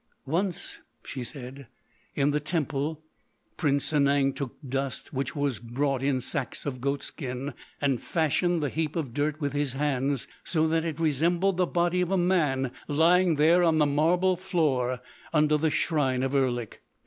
"Once," she said, "in the temple, Prince Sanang took dust which was brought in sacks of goat skin, and fashioned the heap of dirt with his hands, so that it resembled the body of a man lying there on the marble floor under the shrine of Erlik....